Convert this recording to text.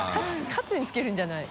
カツにつけるんじゃない。